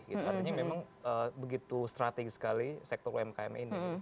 artinya memang begitu strategis sekali sektor umkm ini